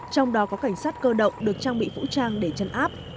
trong đó có cảnh sát cơ động được trang bị phũ trang để chân áp